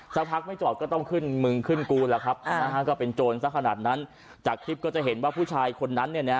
สักพักไม่จอดก็ต้องขึ้นมึงขึ้นกูแล้วครับนะฮะก็เป็นโจรสักขนาดนั้นจากคลิปก็จะเห็นว่าผู้ชายคนนั้นเนี่ยนะ